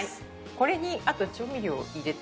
これにあと調味料を入れて。